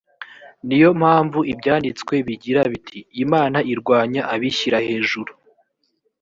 ni yo mpamvu ibyanditswe bigira biti imana irwanya abishyira hejuru